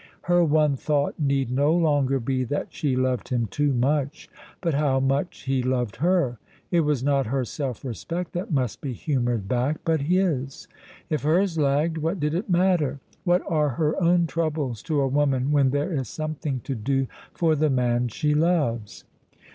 Her one thought need no longer be that she loved him too much, but how much he loved her. It was not her self respect that must be humoured back, but his. If hers lagged, what did it matter? What are her own troubles to a woman when there is something to do for the man she loves?